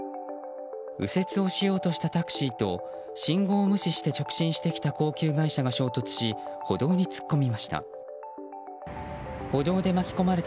右折をしようとしたタクシーと信号無視して直進してきた高級外車が衝突し歩道に突っ込みました。